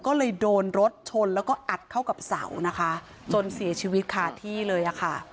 ก็เลยโดนรถชนแล้วก็อัดเข้ากับเสานะคะจนเสียชีวิตคาที่เลยอะค่ะ